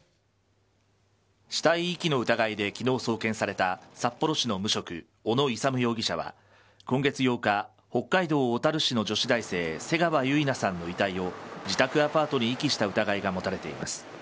死体遺棄の疑いで昨日送検された札幌市の無職・小野勇容疑者は今月８日北海道小樽市の女子大生瀬川結菜さんの遺体を自宅アパートに遺棄した疑いが持たれています。